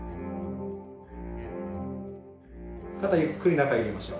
肩ゆっくり中入れましょう。